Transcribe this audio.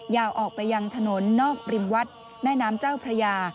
ออกไปยังถนนนอกริมวัดแม่น้ำเจ้าพระยา